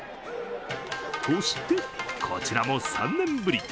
そして、こちらも３年ぶり。